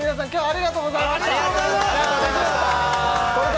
ありがとうございます